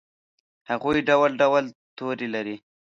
هغوي ډول ډول تورې لري